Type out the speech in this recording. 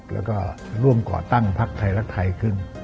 แล้วก็ร่วมก่อตั้งพักไทยรักไทยขึ้น